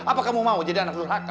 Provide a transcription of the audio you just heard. apa kamu mau jadi anak lurhaka